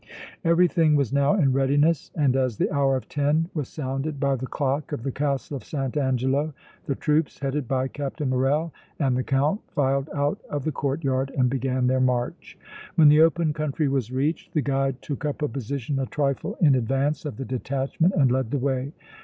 Everything was now in readiness and, as the hour of ten was sounded by the clock of the Castle of St. Angelo, the troops headed by Captain Morrel and the Count filed out of the court yard and began their march. When the open country was reached the guide took up a position a trifle in advance of the detachment and led the way.